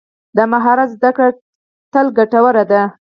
د مهارت زده کړه تل ګټوره ده.